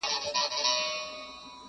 د وخت ابلیسه پوره نیمه پېړۍ،